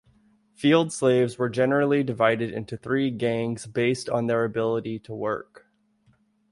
Field slaves were generally divided into three gangs based on their ability to work.